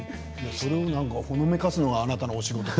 それを、ほのめかすのがあなたのお仕事。